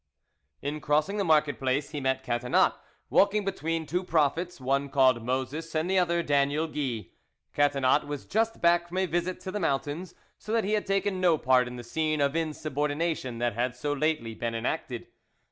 In crossing the market place he met Catinat, walking between two prophets, one called Moses and the other Daniel Guy; Catinat was just back from a visit to the mountains, so that he had taken no part in the scene of insubordination that had so lately been enacted.